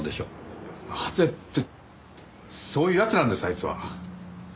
なぜってそういう奴なんですあいつは。